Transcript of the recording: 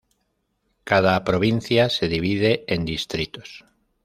Cada provincia se divide en distritos.